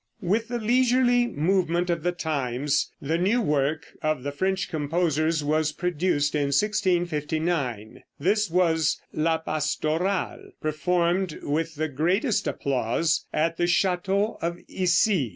With the leisurely movement of the times, the new work of the French composers was produced in 1659. This was "La Pastorale," performed with the greatest applause at the chateau of Issy.